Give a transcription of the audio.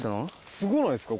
すごないですか？